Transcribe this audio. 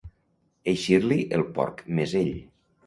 Eixir-li el porc mesell.